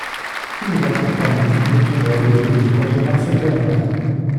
Il remporte en août le tournoi de Deauville contre Marcel Bernard.